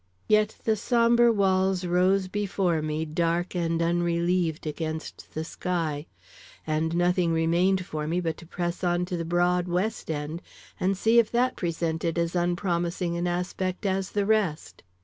Yet the sombre walls rose before me, dark and unrelieved against the sky; and nothing remained for me but to press on to the broad west end and see if that presented as unpromising an aspect as the rest.